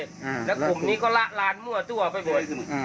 แล้วกลุ่มนี้ก็ระลานหมั่วตัวโบ๊ท